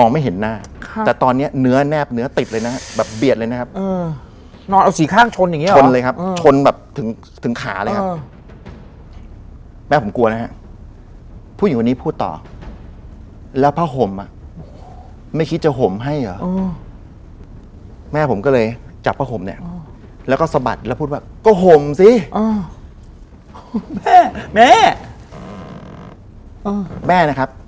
ไม่ใช่คนเดียวครับ